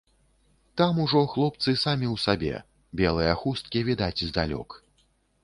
Там ужо хлопцы самі ў сабе, белыя хісткі відаць здалёк.